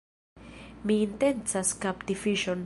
Mi intencas kapti fiŝon.